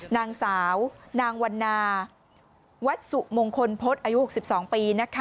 นางสาวนางวันนาวัดสุมงคลพฤษอายุ๖๒ปี